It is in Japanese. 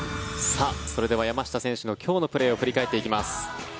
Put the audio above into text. それでは山下選手の今日のプレーを振り返っていきます。